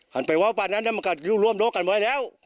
หันไปว้าวป่านั้นแล้วมันกลับร่วมโลกกันไว้แล้ว